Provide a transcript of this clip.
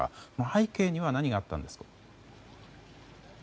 背景には何があったんですか。